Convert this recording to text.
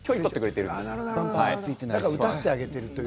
打たせてあげているという。